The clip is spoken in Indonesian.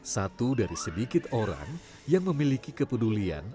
satu dari sedikit orang yang memiliki kepedulian